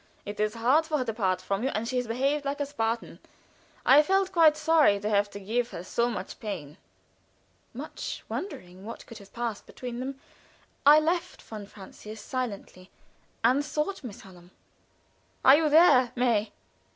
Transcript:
It is hard for her to part from you, and she has behaved like a Spartan. I felt quite sorry to have to give her so much pain." Much wondering what could have passed between them, I left von Francius silently and sought Miss Hallam. "Are you there, May?"